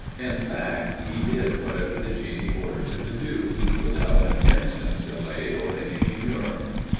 In fact, he did whatever the genie ordered him to do, without an instant's delay or any demur.